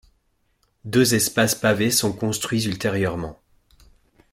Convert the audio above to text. Deux espaces pavés sont construits ultérieurement.